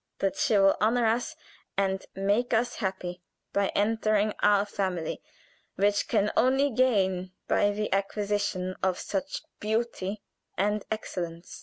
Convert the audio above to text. "That she will honor us and make us happy by entering our family, which can only gain by the acquisition of such beauty and excellence."